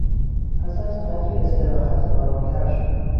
پس از قدری استراحت آرامتر شد.